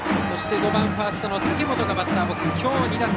５番、ファーストの武本がバッターボックス。